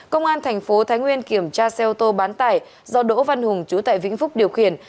công an thành phố thái nguyên kiểm tra xe ô tô bán tải do đỗ văn hùng chú tại vĩnh phúc điều khiển